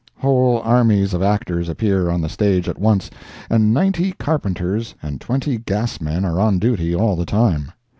Whole armies of actors appear on the stage at once, and ninety carpenters and twenty gas men are on duty all the time.